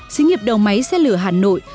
xí nghiệp đầu máy xe lửa hà nội